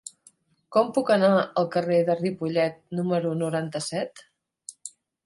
Com puc anar al carrer de Ripollet número noranta-set?